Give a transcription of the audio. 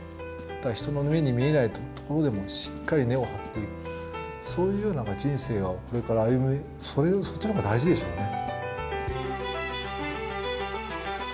だから、人の目に見えない所でもしっかり根を張って、そういうような人生をこれから歩むそっちのほうが大事でしょうね。